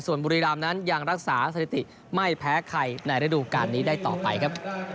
ส่วนบุรีรามนั้นยังรักษาสถิติไม่แพ้ใครในระดูการนี้ได้ต่อไปครับ